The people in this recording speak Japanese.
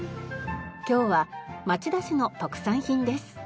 今日は町田市の特産品です。